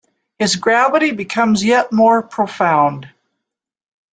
His gravity becomes yet more profound.